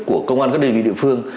của công an các đơn vị địa phương